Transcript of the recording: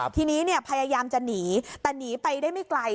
ทีนี้พยายามจะหนีแต่หนีไปได้ไม่ไกล